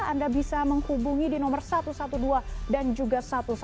anda bisa menghubungi di nomor satu ratus dua belas dan juga satu ratus dua belas